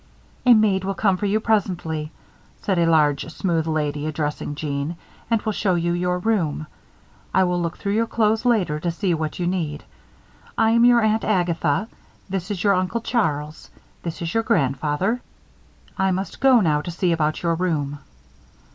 "A maid will come for you presently," said the large, smooth lady, addressing Jeanne, "and will show you your room. I will look through your clothes later to see what you need. I am your Aunt Agatha. This is your Uncle Charles. This is your grandfather. I must go now to see about your room."